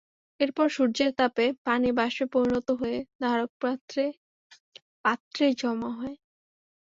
এরপর সূর্যের তাপে পানি বাষ্পে পরিণত হয়ে ধারকপাত্রে পাত্রে জমা হয়।